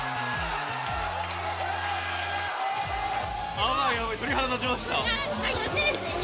やばい、やばい、鳥肌立ちました。